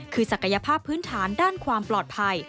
คือศักยภาพพื้นฐานด้านความปลอดภัย